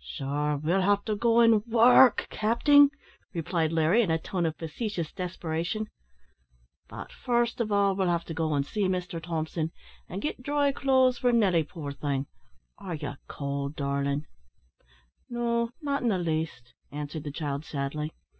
"Sure we'll have to go an' work, capting," replied Larry, in a tone of facetious desperation; "but first of all we'll have to go an' see Mr Thompson, and git dry clo'se for Nelly, poor thing are ye cowld, darlin'?" "No, not in the least," answered the child, sadly.